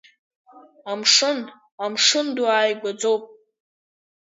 Амшын, амшын ду ааигәаӡоуп.